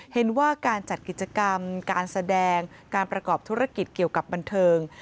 เห็นว่าการจัดกิจกรรมการแสดงการประกอบธุรกิจเกี่ยวกับบันเทิง